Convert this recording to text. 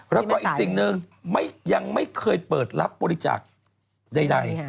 แล้วก็อีกสิ่งหนึ่งยังไม่เคยเปิดรับบริจาคใด